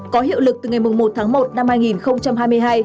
có hiệu lực từ ngày một tháng một năm hai nghìn hai mươi hai